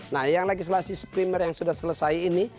nah yang legislasi primer yang sudah selesai ini